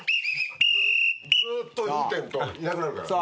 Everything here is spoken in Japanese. ずっと吹いてるといなくなるからね。